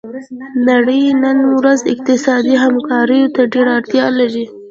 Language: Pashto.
نړۍ نن ورځ اقتصادي همکاریو ته ډیره اړتیا لري